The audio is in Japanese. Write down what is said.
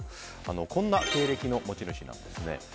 こんな経歴の持ち主なんです。